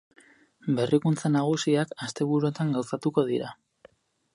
Berrikuntza nagusiak asteburuetan gauzatuko dira.